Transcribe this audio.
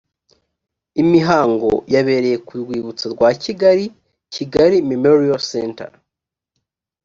imihango yabereye ku rwibutso rwa kigali kigali memorial centre